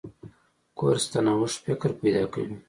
کورس د نوښت فکر پیدا کوي.